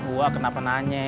wah kenapa nanya